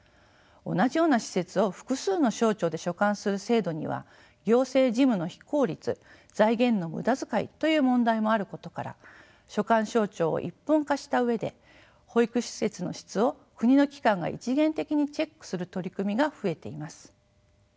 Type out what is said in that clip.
同じような施設を複数の省庁で所管する制度には行政事務の非効率財源の無駄遣いという問題もあることから所管省庁を一本化した上で保育施設の質を国の機関が一元的にチェックする取り組みが増えています。